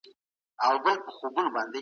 په کڅوڼي کي مي یو زوړ او تاریخي اثر موندلی و.